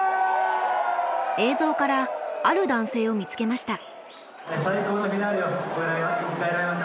映像からある男性を見つけました。